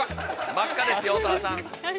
◆真っ赤ですよ、乙葉さん。